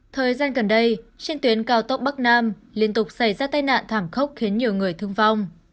thời gian gần đây trên tuyến cao tốc bắc nam liên tục xảy ra tai nạn thảm khốc khiến nhiều người thương vong